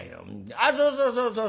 あっそうそうそうそうそう。